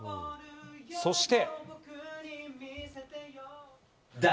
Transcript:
そして。